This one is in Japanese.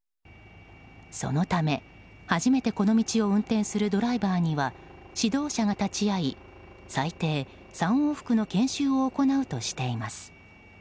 そのため、初めてこの道を運転するドライバーには指導者が立ち会い最低３往復の研修を行うとしています。